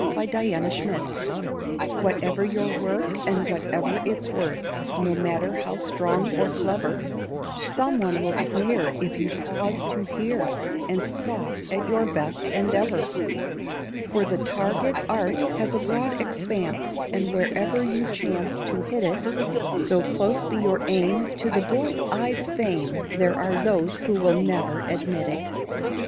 NEVER MIND Whatever your work and whatever its worth, No matter how strong or clever, Some one will sneer if you pause to hear, And scoff at your best endeavour. For the target art has a broad expanse, And wherever you chance to hit it, Though close be your aim to the bull's eye fame, There are those who will never admit it.